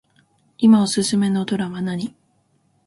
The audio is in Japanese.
いまおすすめのドラマ何